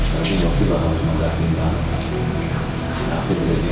beracun juga nggak apa apa masih mendaftar favoritnya